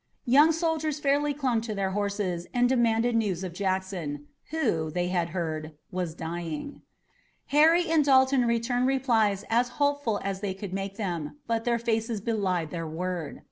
Young soldiers fairly clung to their horses and demanded news of Jackson, who, they had heard, was dying. Harry and Dalton returned replies as hopeful as they could make them, but their faces belied their word.